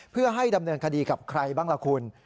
เพื่อให้ดำเนินคดีกับใครบ้างล่ะคุณ